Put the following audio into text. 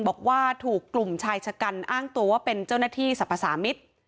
บอกว่าถูกกลุ่มชายชะกันอ้างตัวว่าเป็นเจ้าหน้าที่สรรพสามิตร